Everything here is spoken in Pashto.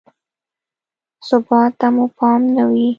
ثبات ته مو پام نه وي.